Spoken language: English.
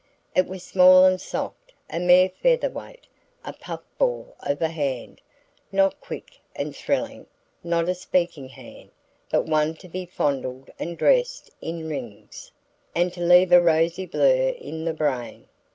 It was small and soft, a mere featherweight, a puff ball of a hand not quick and thrilling, not a speaking hand, but one to be fondled and dressed in rings, and to leave a rosy blur in the brain.